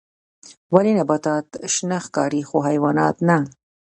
ولې نباتات شنه ښکاري خو حیوانات نه